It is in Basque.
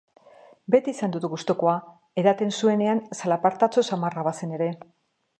Beti izan dut gustukoa, edaten zuenean zalapartatsu samarra bazen ere.